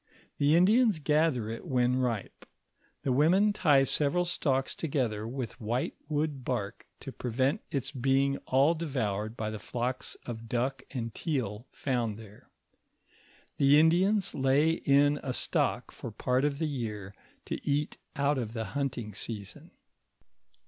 The Indians gather it when ripe. The women tie several stalks together with white wood bark to prevent its being all devoured by the flocks of duck and teal found there. The Indians lay in a stock for part of the year, to eat out of the hunting season.